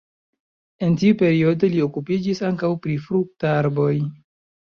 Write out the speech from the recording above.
En tiu periodo li okupiĝis ankaŭ pri fruktarboj.